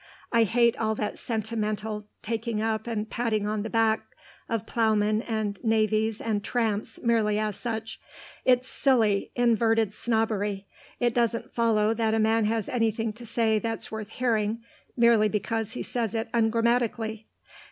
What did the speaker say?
I hate all that sentimental taking up and patting on the back of ploughmen and navvies and tramps merely as such; it's silly, inverted snobbery. It doesn't follow that a man has anything to say that's worth hearing merely because he says it ungrammatically.